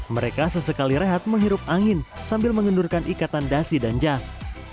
mereka sesekali rehat menghirup angin sambil mengendurkan ikatan dasi dan jas